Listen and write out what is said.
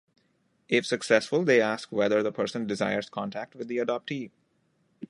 If successful, they ask whether this person desires contact with the adoptee.